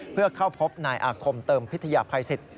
เพื่อเข้าพบนายอาคมเติมพิทยาภัยสิทธิ